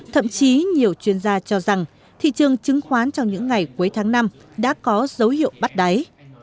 thậm chí nhiều chuyên gia cho rằng thị trường chứng khoán trong những ngày cuối tháng năm đã có dấu hiệu bắt đáy